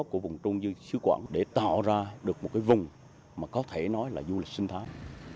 của vùng trung du sứ quảng để tạo ra được một vùng có thể nói là du lịch sinh thái